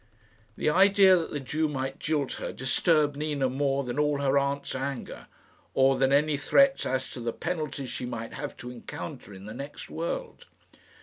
The idea that the Jew might jilt her disturbed Nina more than all her aunt's anger, or than any threats as to the penalties she might have to encounter in the next world.